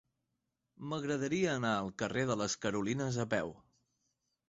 M'agradaria anar al carrer de les Carolines a peu.